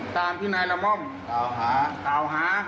ตามที่นายละม่อมกล่าวหา